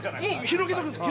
広げておくんです。